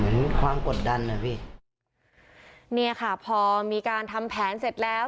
เหมือนความกดดันนะพี่เนี่ยค่ะพอมีการทำแผนเสร็จแล้ว